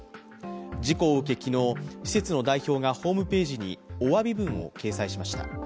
事故を受け昨日施設の代表がホームページにおわび文を掲載しました。